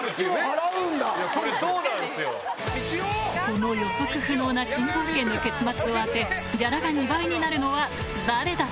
この予測不能な新冒険の結末を当てギャラが２倍になるのは誰だ？